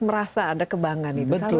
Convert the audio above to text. merasa ada kebanggaan itu